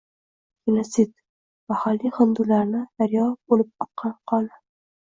genotsid — mahalliy hindularning daryo bo‘lib oqqan qoni